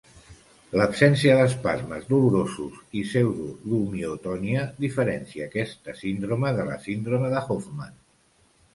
L'absència d'espasmes dolorosos i pseudomiotonia diferencia aquesta síndrome de la síndrome de Hoffmann.